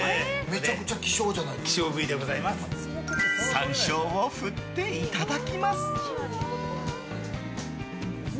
山椒を振って、いただきます。